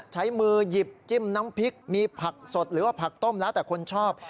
ใช้มือหยิบจิ้มน้ำพริกมีผักสดหรือว่าผักต้มแล้วแต่คนชอบ